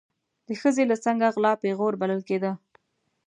د ښځې له څنګه غلا پیغور بلل کېده.